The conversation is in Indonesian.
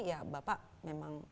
ya bapak memang